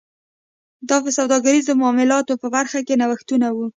دا په سوداګریزو معاملاتو په برخه کې نوښتونه و